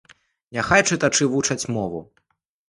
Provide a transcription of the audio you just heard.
Няхай чытачы вучаць мову.